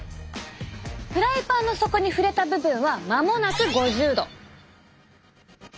フライパンの底に触れた部分は間もなく５０℃。